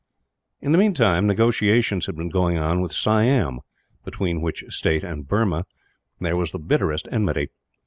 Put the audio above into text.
In the meantime, negotiations had been going on with Siam, between which state and Burma there was the bitterest enmity.